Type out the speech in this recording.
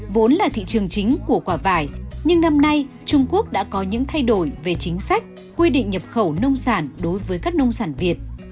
vốn là thị trường chính của quả vải nhưng năm nay trung quốc đã có những thay đổi về chính sách quy định nhập khẩu nông sản đối với các nông sản việt